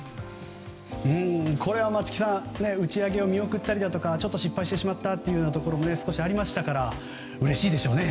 これは松木さん打ち上げを見送ったりだとかちょっと失敗してしまったところもありましたからうれしいでしょうね。